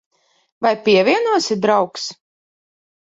Vai pievienosi, draugs?